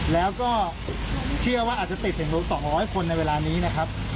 แล้วก็เชื่อว่าอาจจะติด๑๒๐๐คนในเวลานี้นะครับ